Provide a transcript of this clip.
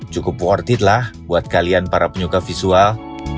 cukup purth it lah buat kalian para penyuka visual